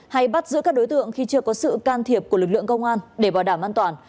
hay bắt giữ các đối tượng khi chưa có sự can thiệp của lực lượng công an để bảo đảm an toàn